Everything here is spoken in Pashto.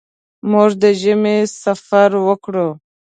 موږ د ژمي سفر وکړ.